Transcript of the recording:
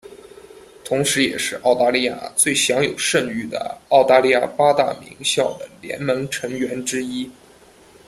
同时也是澳大利亚最享有盛誉的澳大利亚八大名校的联盟成员之一。